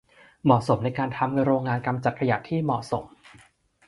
เหมาะสมในการทำโรงงานกำจัดขยะที่เหมาะสม